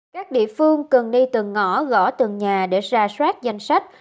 các địa phương cần đi từng ngõ gõ từng nhà để ra soát danh sách